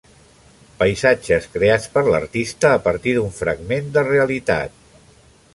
Paisatges creats per l’artista a partir d’un fragment de realitat.